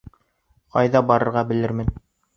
Ҡайҙа барырға белермен!